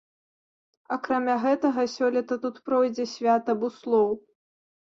Акрамя гэтага, сёлета тут пройдзе свята буслоў.